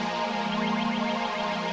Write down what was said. kamu bawa motornya tuhan sakti